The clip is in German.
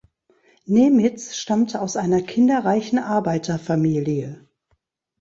Nemitz stammte aus einer kinderreichen Arbeiterfamilie.